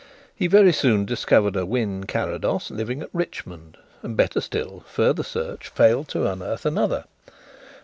He very soon discovered a Wynn Carrados living at Richmond, and, better still, further search failed to unearth another.